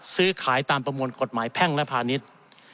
ซื้อขายตามประมวลกฎหมายแพ่งและพาณิชย์